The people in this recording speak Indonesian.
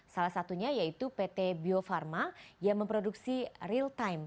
salah satunya yaitu pt bio farma yang memproduksi real time